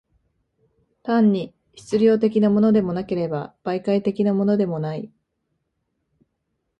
単に質料的のものでもなければ、媒介的のものでもない。